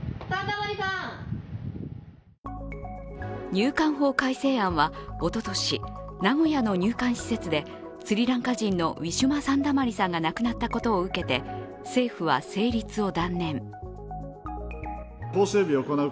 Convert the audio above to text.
入管法改正案は、おととし、名古屋の入管施設でスリランカ人のウィシュマ・サンダマリさんが亡くなったことを受けて政府は成立を断念。